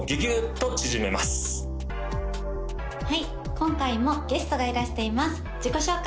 今回もゲストがいらしています自己紹介